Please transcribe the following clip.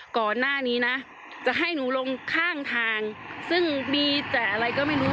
ก่อนหน้านี้นะจะให้หนูลงข้างทางซึ่งมีแต่อะไรก็ไม่รู้